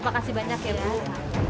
makasih banyak ya bu